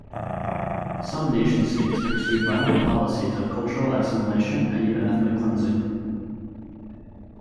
Some nation-states pursued violent policies of cultural assimilation and even ethnic cleansing.